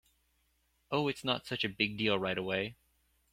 Oh, it’s not such a big deal right away.